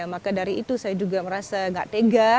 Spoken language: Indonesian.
maka dari itu saya juga merasa gak tega